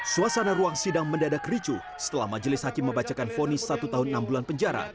suasana ruang sidang mendadak ricuh setelah majelis hakim membacakan fonis satu tahun enam bulan penjara